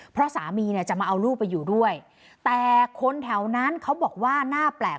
เพราะสามีเนี่ยจะมาเอาลูกไปอยู่ด้วยแต่คนแถวนั้นเขาบอกว่าน่าแปลก